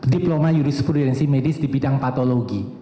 diploma jurisprudensi medis di bidang patologi